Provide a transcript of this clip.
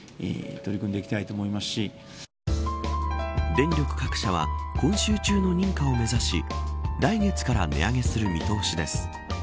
電力各社は今週中の認可を目指し来月から値上げする見通しです。